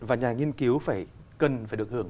và nhà nghiên cứu cần phải được hưởng